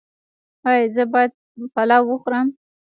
ایا زه باید پلاو وخورم؟